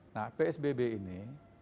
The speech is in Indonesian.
nah psbb ini